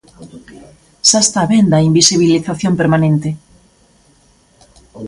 ¡Xa está ben da invisibilización permanente!